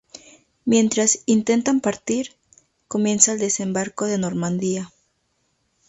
Mientras intentan partir, comienza el Desembarco de Normandía.